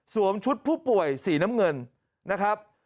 ชุดผู้ป่วยสีน้ำเงินนะครับ